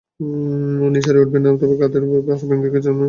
উনি সেরে উঠবেন, তবে কাঁধের হাড় ভেঙেছে উনার এবং ভেতরে রক্তপাতও হয়েছে!